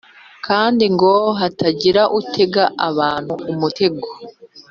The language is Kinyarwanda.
kandi ngo hatagira utega abantu umutego